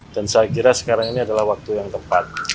dan saya kira sekarang ini adalah waktu yang tepat